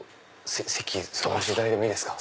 座らせていただいていいですか？